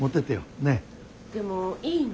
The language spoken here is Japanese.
でもいいの？